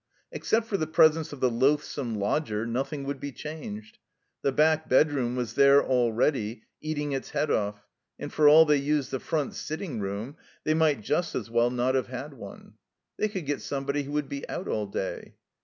Except for the presence of the loathsome lodger, nothing would be changed. The back bedroom was there all ready, eating its head off; and for all they used the front sitting room, they might just as well not have had one. They could get somebody who would be out all day.